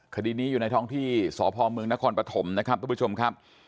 คดีนี้อยู่ในท้องที่สพเมืองนครปฐมนะครับทุกผู้ชมครับ